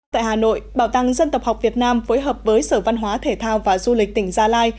tại hà nội bảo tàng dân tộc học việt nam phối hợp với sở văn hóa thể thao và du lịch tỉnh gia lai